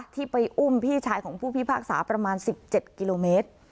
ที่ไปอุ้มพี่ชายของผู้พิพากษาประมาณ๑๗กิโลเมตร